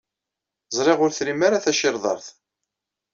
Ẓriɣ ur trim ara tacirḍart.